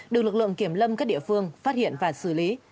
được lực lượng kiểm lâm các địa phương phát hiện và xử lý